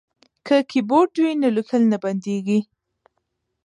که کیبورډ وي نو لیکل نه بندیږي.